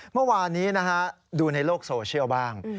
เมื่อวานนี้นะฮะดูในโลกโซเชียลบ้าง